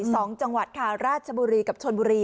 จังหวัดค่ะราชบุรีกับชนบุรี